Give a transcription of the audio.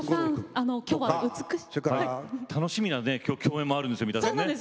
きょうは楽しみな共演もあるんですよね。